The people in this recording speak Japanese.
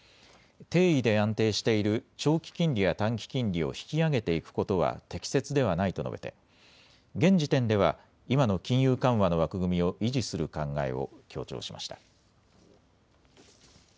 低位で安定している長期金利や短期金利を引き上げていくことは適切ではないと述べて現時点では今の金融緩和の枠組みを維持する考えを強調しました。